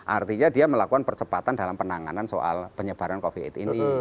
artinya dia melakukan percepatan dalam penanganan soal penyebaran covid ini